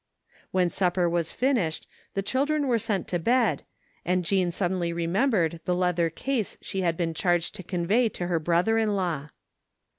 When supper was finished the children were sent to bed, and Jean suddenly remembered the leather case she had been charged to convey to her brother in law.